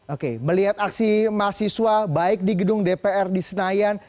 oke melihat aksi mahasiswa baik di gedung dpr di senayan